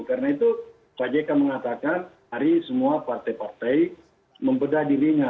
karena itu pak jk mengatakan hari semua partai partai membedah dirinya